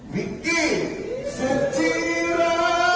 มิกกี้สุดที่รัก